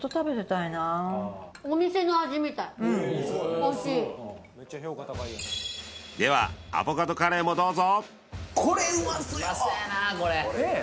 いなおいしいではアボカドカレーもどうぞ！